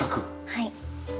はい。